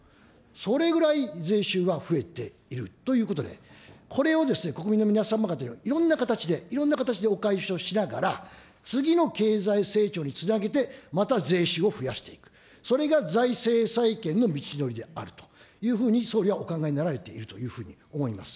それぐらい税収は増えているということで、これを国民の皆様方にいろんな形で、いろんな形でお返しをしながら、次の経済成長につなげて、また税収を増やしていく、それが財政再建の道のりであるというふうに、総理はお考えになられているというふうに思います。